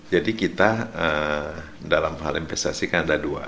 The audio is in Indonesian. jadi kita dalam hal investasi kan ada dua